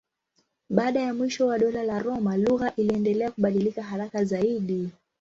Baada ya mwisho wa Dola la Roma lugha iliendelea kubadilika haraka zaidi.